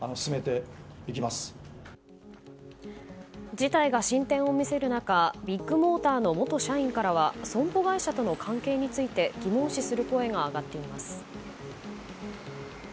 事態が進展を見せる中ビッグモーターの元社員からは損保会社との関係について疑問視する声が上がっています。